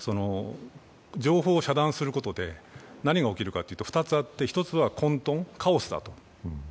情報を遮断することで何が起きるかというと２つあって、１つは混沌、カオスだと。